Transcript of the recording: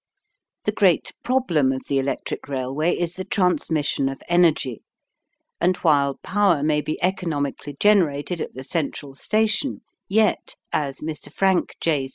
The great problem of the electric railway is the transmission of energy, and while power may be economically generated at the central station, yet, as Mr. Frank J.